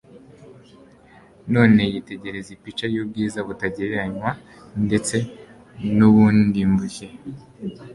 noneho yitegereza ipica y’ubwiza butagereranywa ndetse n’ubundimbuke.